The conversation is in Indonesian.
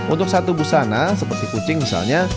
untuk satu busana seperti kucing misalnya